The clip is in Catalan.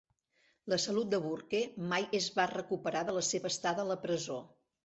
La salut de Burke mai es va recuperar de la seva estada a la presó.